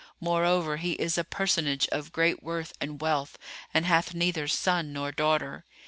Moreover, he is a personage of great worth and wealth and hath neither son nor daughter.